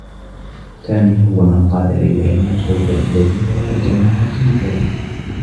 سامي هو من قاد ليلى إلى المستودع الذي هاجمها فيه فريد.